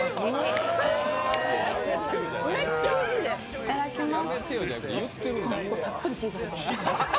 いただきます。